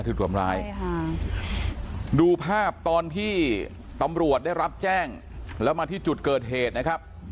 ถูกทำร้ายใช่ค่ะดูภาพตอนที่ตำรวจได้รับแจ้งแล้วมาที่จุดเกิดเหตุนะครับ